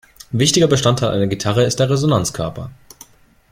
Wichtiger Bestandteil einer Gitarre ist der Resonanzkörper.